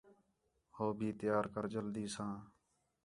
ہو بھی تیار کر جلدی ساں